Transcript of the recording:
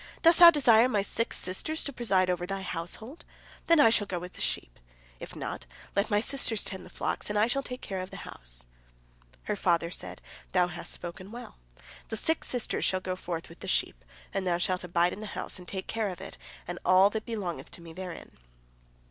Dost thou desire my six sisters to preside over thy household? Then shall I go abroad with the sheep. If not, let my sisters tend the flocks, and I shall take care of the house." Her father said: "Thou hast spoken well. Thy six sisters shall go forth with the sheep, and thou shalt abide in the house and take care of it, and all that belongeth to me therein."